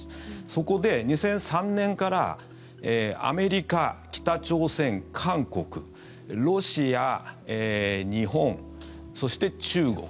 そこで２００３年からアメリカ、北朝鮮、韓国ロシア、日本、そして中国